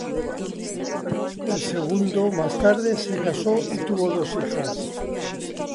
El segundo más tarde se casó y tuvo dos hijas.